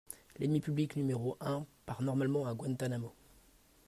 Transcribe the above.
L'ennemi public numéro un part normalement à Guantanamo.